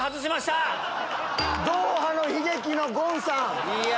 ドーハの悲劇のゴンさん。